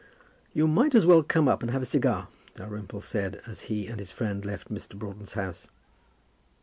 "You might as well come up and have a cigar," Dalrymple said, as he and his friend left Mr. Broughton's house.